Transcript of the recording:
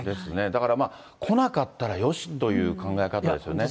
だから来なかったらよしという考え方ですよね。